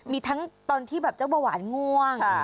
มีทั้งตอนที่แบบเจ้าเบาหวานง่วง